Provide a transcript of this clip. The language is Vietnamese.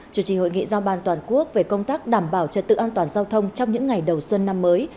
chủ trì hội nghị giao ban toàn quốc về công tác đảm bảo trật tự an toàn giao thông trong những ngày đầu xuân năm mới